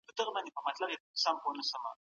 له کورنۍ سره یوځای ډوډۍ خوړل مینه زیاتوي.